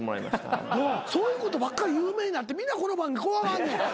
そういうことばっかり有名になってみんなこの番組怖がんねん。